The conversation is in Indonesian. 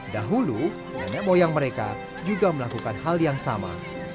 dahulu nenek moyang mereka juga melakukan hal yang sama